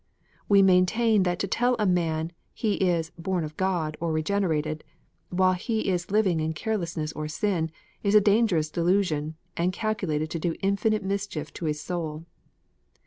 We maintain that to tell a man he is " born of God," or regenerated, while he is living in carelessness or sin, is a dangerous delusion, and calculated to do infinite mischief to his soul.